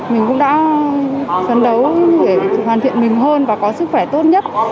mình cũng đã phấn đấu để hoàn thiện mình hơn và có sức khỏe tốt nhất